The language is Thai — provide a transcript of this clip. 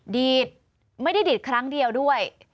ไม่ได้ดีดครั้งเดียวด้วย